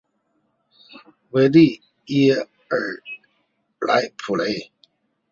维利耶尔莱普雷。